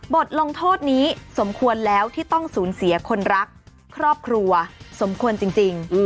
บทลงโทษนี้สมควรแล้วที่ต้องสูญเสียคนรักครอบครัวสมควรจริง